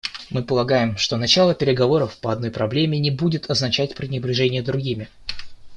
Мы полагаем, что начало переговоров по одной проблеме не будет означать пренебрежение другими.